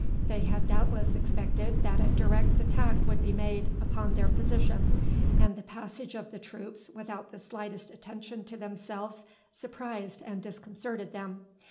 They had doubtless expected that a direct attack would be made upon their position, and the passage of the troops without the slightest attention to themselves surprised and disconcerted them.